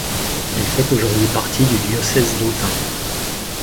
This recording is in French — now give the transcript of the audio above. Elle fait aujourd'hui partie du diocèse d'Autun.